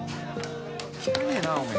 汚えなおめえ。